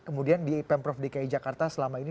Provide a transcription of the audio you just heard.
kemudian di pemprov dki jakarta selama ini